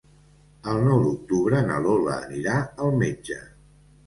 El nou d'octubre na Lola anirà al metge.